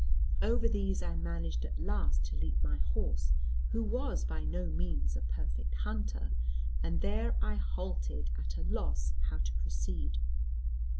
Over these I managed at last to leap my horse, who was by no means a perfect hunter; and there I halted at a loss how to proceed.